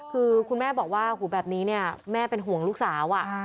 คือคุณแม่บอกว่าหูแบบนี้เนี่ยแม่เป็นห่วงลูกสาว